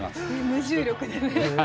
無重力でね。